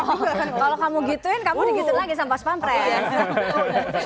kalau kamu gituin kamu digituin lagi sama pak sumpah mpres